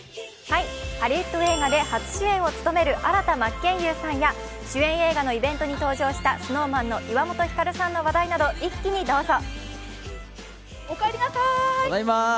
ハリウッド映画で初主演を務める新田真剣佑さんや主演映画のイベントに登場したＳｎｏｗＭａｎの岩本照さんの話題など一気にどうぞ。